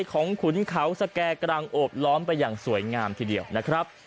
ขุนเขาสแก่กลางโอบล้อมไปอย่างสวยงามทีเดียวนะครับ